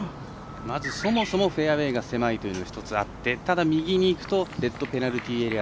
そもそもフェアウエーが狭いというのがあってただ、右にいくとレッドペナルティーエリア